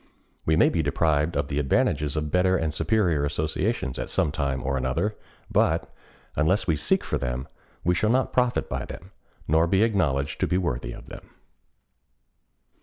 We may be deprived of the advantages of better and superior associations at some time or another, but, unless we seek for them, we shall not profit by them, nor be acknowledged to be worthy of them.